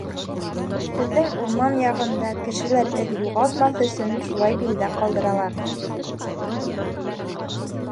Беҙҙең урман яғында кешеләр эҙ юғалтмаҫ өсөн шулай билдә ҡалдыралар.